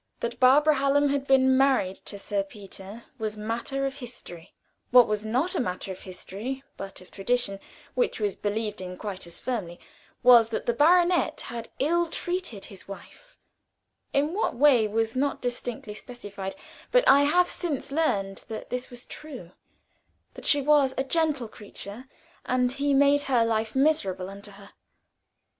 That Barbara Hallam had been married to Sir Peter was matter of history: what was not matter of history, but of tradition which was believed in quite as firmly, was that the baronet had ill treated his wife in what way was not distinctly specified, but I have since learned that it was true; she was a gentle creature, and he made her life miserable unto her.